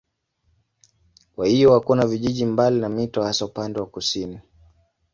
Kwa hiyo hakuna vijiji mbali na mito hasa upande wa kusini.